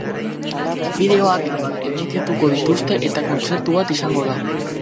Bideoak emitituko dituzte eta kontzertu bat izango da.